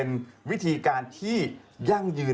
น้องน้องกลัวอย่าไปแจ้งตำรวจดีกว่าเด็ก